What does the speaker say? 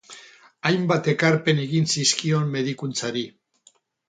Hainbat ekarpen egin zizkion medikuntzari.